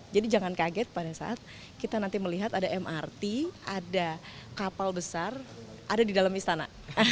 jadi jangan kaget pada saat kita nanti melihat ada mrt ada kapal besar ada di dalam istana